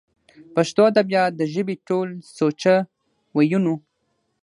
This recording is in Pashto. پښتو ادبيات د ژبې ټول سوچه وييونو